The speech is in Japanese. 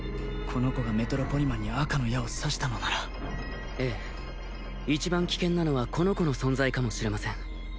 この子がメトロポリマンに赤の矢を刺したのならええ一番危険なのはこの子の存在かもしれません